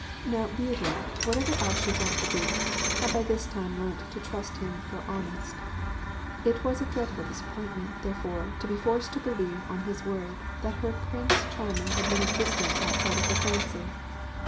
Now Beauty, whatever else she thought of the Beast, had by this time learnt to trust him for honest. It was a dreadful disappointment, therefore, to be forced to believe on his word that her Prince Charming had no existence outside of her fancy.